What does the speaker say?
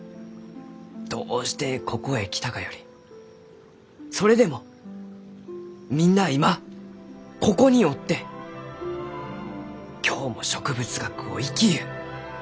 どうしてここへ来たかよりそれでもみんなあ今ここにおって今日も植物学を生きゆう。